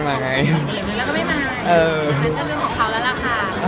หรือเราก็ไม่มาไงแต่มันจะเรื่องของเขาแล้วล่ะค่ะ